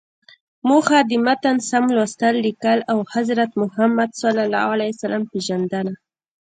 موخه: د متن سم لوستل، ليکل او د حضرت محمد ﷺ پیژندنه.